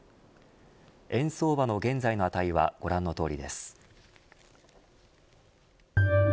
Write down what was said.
円相場の現在の値はご覧のとおりです。